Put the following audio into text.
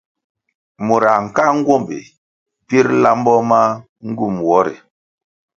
Murãh nkáʼa nguombi pir lambo ma ngywum nwo ri.